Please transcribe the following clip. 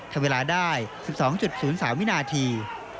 ทำเวลาได้๑๒๐๓วินาที